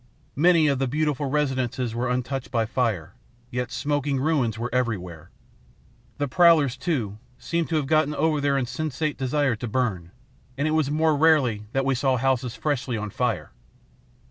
Many of the beautiful residences were untouched by fire, yet smoking ruins were everywhere. The prowlers, too, seemed to have got over their insensate desire to burn, and it was more rarely that we saw houses freshly on fire.